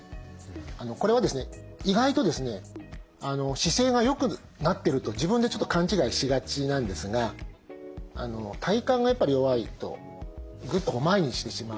姿勢がよくなってると自分でちょっと勘違いしがちなんですが体幹がやっぱり弱いとぐっと前にしてしまう。